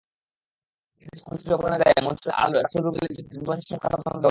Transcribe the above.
ফেনীতে স্কুলছাত্রী অপহরণের দায়ে মনছুরের রাসুল রুবেল একজনকে যাবজ্জীবন সশ্রম কারাদণ্ড দেওয়া হয়েছে।